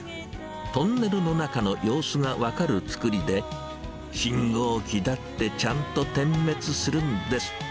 トンネルの中の様子が分かる造りで、信号機だってちゃんと点滅するんです。